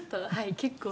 結構」